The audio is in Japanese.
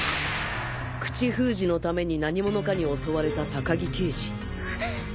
口封じのために何者かに襲われた高木刑事あっ。